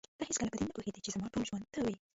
ته هېڅکله په دې نه پوهېدې چې زما ټول ژوند ته وې.